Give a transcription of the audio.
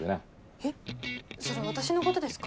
えっそれ私のことですか？